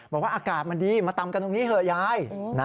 อากาศมันดีมาตำกันตรงนี้เถอะยาย